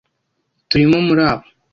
turimo muri abo.